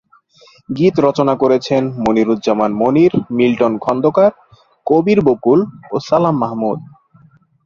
গীত রচনা করেছেন মনিরুজ্জামান মনির, মিল্টন খন্দকার, কবির বকুল ও সালাম মাহমুদ।